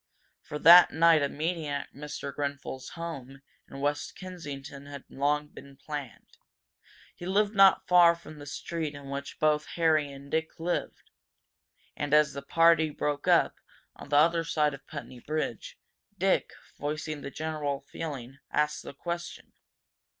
For that night a meeting at Mr. Grenfel's home in West Kensington had long been planned. He lived not far from the street in which both Harry and Dick lived. And, as the party broke up, on the other side of Putney Bridge, Dick, voicing the general feeling, asked a question.